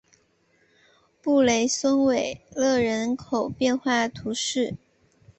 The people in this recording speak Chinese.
布雷松维勒人口变化图示